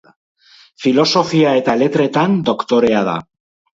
Filosofia eta Letretan doktorea da.